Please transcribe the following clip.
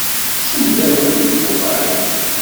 Send iḍelli i d-yuɣal.